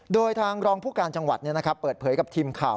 โดยทางรองผู้การจังหวัดเปิดเผยกับทีมข่าว